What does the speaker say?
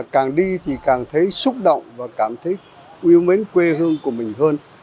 càng đi thì càng thấy xúc động và cảm thấy yêu mến quê hương của mình hơn